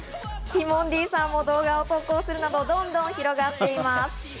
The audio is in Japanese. ティモンディさんも動画を投稿するなど、どんどん広がっています。